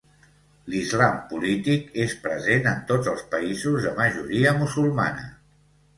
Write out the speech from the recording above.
L'islam polític és present en tots els països de majoria musulmana.